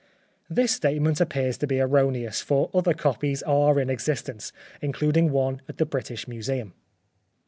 This statement appears to be erroneous, for other copies are in existence, including one at the British Museum.